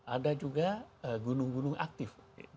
ada juga gunung gunung aktif